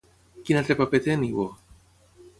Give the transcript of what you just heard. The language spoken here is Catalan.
Quin altre paper té Nibo?